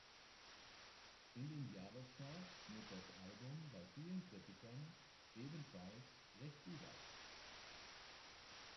In den Jahrescharts schnitt das Album bei vielen Kritikern ebenfalls recht gut ab.